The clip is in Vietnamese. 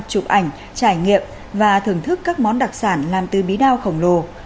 chụp ảnh trải nghiệm và thưởng thức các món đặc sản làm từ bí đao khổng lồ